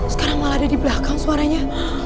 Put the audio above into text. sekarang malah ada dibelakang suaranya